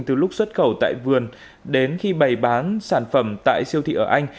từ lúc xuất khẩu tại vườn đến khi bày bán sản phẩm tại siêu thị ở anh